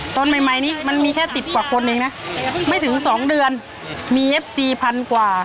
ตอนใหม่นี้มันมีแค่สิบกว่าคนเองนะไม่ถึงสองเดือนมีเอฟซีพันกว่า